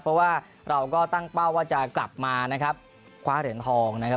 เพราะว่าเราก็ตั้งเป้าว่าจะกลับมานะครับคว้าเหรียญทองนะครับ